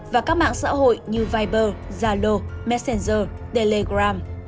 và các mạng xã hội như viber zalo messenger telegram